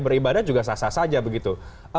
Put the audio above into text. beribadah juga sasar saja begitu